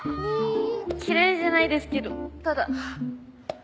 嫌いじゃないですけどただ。